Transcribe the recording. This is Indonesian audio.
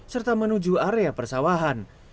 serta menuju area persawahan